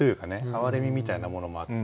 哀れみみたいなものもあって。